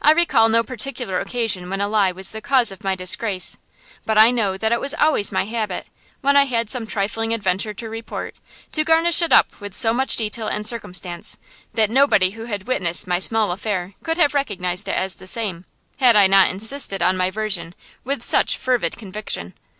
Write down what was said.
I recall no particular occasion when a lie was the cause of my disgrace; but I know that it was always my habit, when I had some trifling adventure to report, to garnish it up with so much detail and circumstance that nobody who had witnessed my small affair could have recognized it as the same, had I not insisted on my version with such fervid conviction.